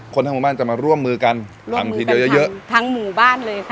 คนทั้งหมู่บ้านจะมาร่วมมือกันร่วมมือกันเยอะทั้งหมู่บ้านเลยค่ะ